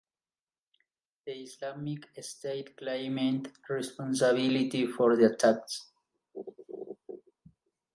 The Islamic State claimed responsibility for the attacks.